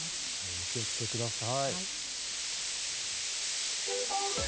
お気をつけください。